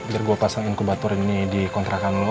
biar gue pasang inkubator ini di kontrakan lo